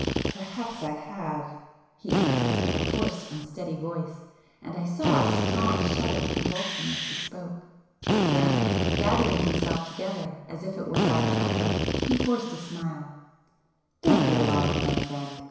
"Perhaps I have!" he answered in a hoarse unsteady voice, and I saw a strong shudder convulse him as he spoke,—then, gathering himself together as it were by an effort, he forced a smile—"Don't be alarmed, my friend!